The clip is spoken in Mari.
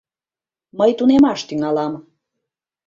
Мый тунемаш тӱҥалам...